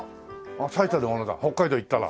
最たるものだ北海道行ったら。